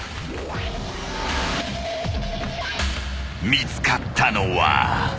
［見つかったのは］